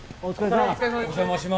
お邪魔します。